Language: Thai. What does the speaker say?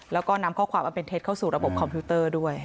แล้วก็นำข้อความอันเป็นเท็จเข้าสู่ระบบคอมพิวเตอร์ด้วย